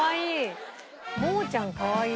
モーちゃんかわいい。